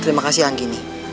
terima kasih anggini